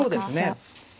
うんそうですね。